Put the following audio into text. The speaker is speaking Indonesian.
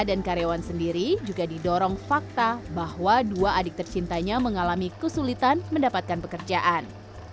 karyawan sendiri juga didorong fakta bahwa dua adik tercintanya mengalami kesulitan mendapatkan pekerjaan